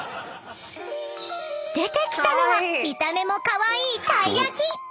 ［出てきたのは見た目もカワイイたい焼き］